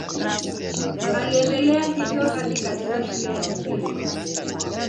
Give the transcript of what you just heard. Aliendelea hivyo hadi katika shule ya upili.